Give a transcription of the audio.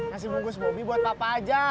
nasi bungkus bobby buat papa aja